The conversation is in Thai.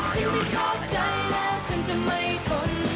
ฉันไม่เข้าใจแล้วฉันจะไม่ทน